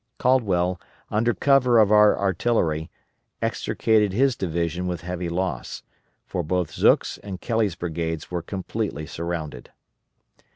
Caldwell, under cover of our artillery, extricated his division with heavy loss, for both Zook's and Kelly's brigades were completely surrounded.